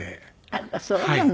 あらそうなの。